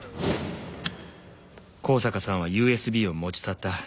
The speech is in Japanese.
香坂さんはＵＳＢを持ち去った。